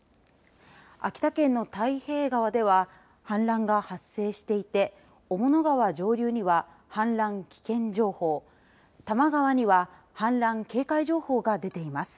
秋田県の太平川では氾濫が発生していて雄物川上流には氾濫危険情報玉川には氾濫警戒情報が出ています。